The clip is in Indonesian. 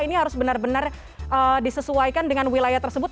ini harus benar benar disesuaikan dengan wilayah tersebut